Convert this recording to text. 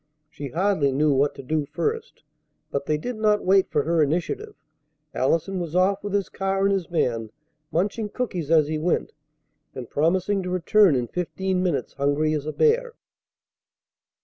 She hardly knew what to do first. But they did not wait for her initiative. Allison was off with his car and his man, munching cookies as he went, and promising to return in fifteen minutes hungry as a bear.